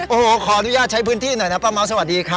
โอ้โหขออนุญาตใช้พื้นที่หน่อยนะป้าเม้าสวัสดีครับ